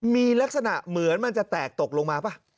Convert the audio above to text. มีลักษณะเหมือนมันจะแตกตกลงมาป่ะ